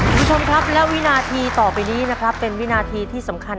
คุณผู้ชมครับและวินาทีต่อไปนี้นะครับเป็นวินาทีที่สำคัญ